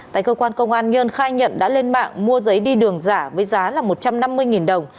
tại cơ quan công an nhơn khai nhận đã lên mạng mua giấy đi đường giả với giá là một trăm năm mươi đồng